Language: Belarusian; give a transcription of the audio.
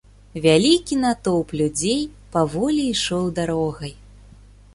Вялікі натоўп людзей паволі ішоў дарогай.